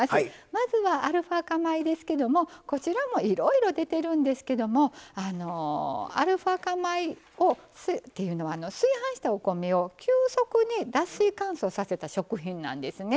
まずは、アルファ化米ですけどもこちらもいろいろ出てるんですけどアルファ化米っていうのは炊飯したお米を急速に脱水乾燥させた食品なんですね。